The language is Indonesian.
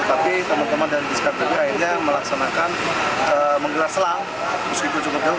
api teman teman dan diskater akhirnya melaksanakan menggerah selang